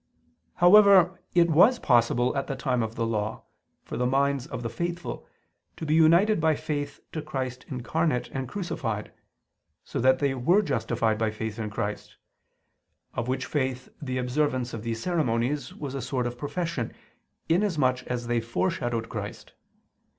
However, it was possible at the time of the Law, for the minds of the faithful, to be united by faith to Christ incarnate and crucified; so that they were justified by faith in Christ: of which faith the observance of these ceremonies was a sort of profession, inasmuch as they foreshadowed Christ.